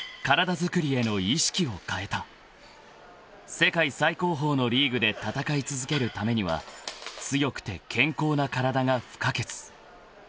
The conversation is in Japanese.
［世界最高峰のリーグで戦い続けるためには強くて健康な体が不可欠］